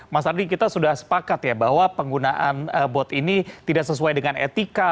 mas ardi kita sudah sepakat ya bahwa penggunaan bot ini tidak sesuai dengan etika